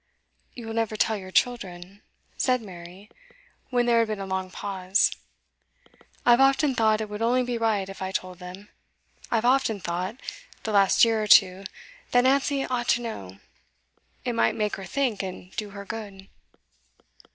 'You will never tell your children,' said Mary, when there had been a long pause. 'I've often thought it would only be right if I told them. I've often thought, the last year or two, that Nancy ought to know. It might make her think, and do her good.